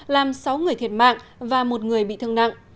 làm sáu người thiệt mạng và một người bị thương nặng